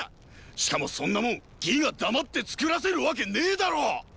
しかもそんなもん魏が黙って造らせるわけねェだろ！